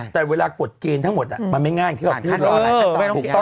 แต่เวลากดเกณฑ์ทั้งหมดมันไม่ง่ายอย่างที่เราพิวเตอร์